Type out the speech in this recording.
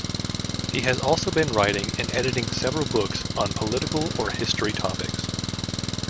He has also been writing and editing several books on political or history topics.